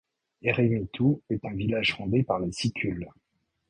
Eremitu est un village fondé par les Sicules.